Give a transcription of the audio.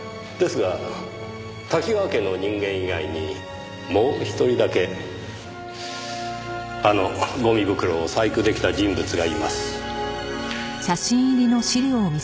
ですが多岐川家の人間以外にもう一人だけあのゴミ袋を細工出来た人物がいます。